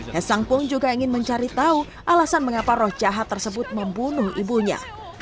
hesang pun juga ingin mencari tahu alasan mengapa roh jahat tersebut membunuh ibunya